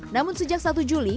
namun sejak satu juli